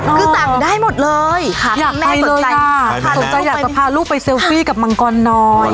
คือสั่งได้หมดเลยอยากได้สนใจอยากจะพาลูกไปเซลฟี่กับมังกรน้อย